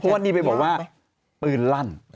วันนี้ไปบอกว่าปืนลั่น